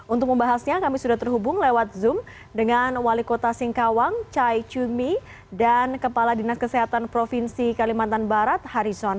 untuk membahasnya kami sudah terhubung lewat zoom dengan wali kota singkawang chai chumi dan kepala dinas kesehatan provinsi kalimantan barat harison